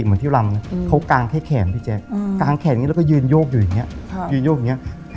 เหมือนที่ลำนะเขากางแขนพี่แจ๊กกางแขนแล้วก็ยืนโยกอยู่อย่างเงี้ย